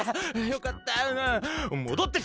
よかった！